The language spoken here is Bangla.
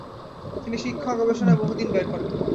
তিনি শিক্ষা ও গবেষণায় বহুদিন ব্যয় করেন।